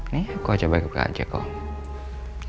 nih aku aja baik baik aja kok